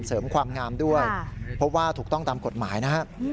เสริมความงามด้วยพบว่าถูกต้องตามกฎหมายนะครับ